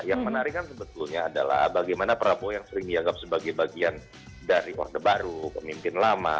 yang menarik kan sebetulnya adalah bagaimana prabowo yang sering dianggap sebagai bagian dari orde baru pemimpin lama